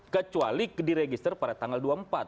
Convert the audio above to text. kecuali diregister pada tanggal dua puluh empat